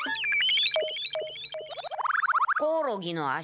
コオロギの足。